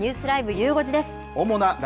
ゆう５時です。